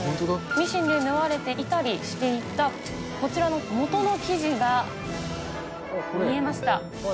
ミシンで縫われていたりしていたこちらの元の生地が、見えました。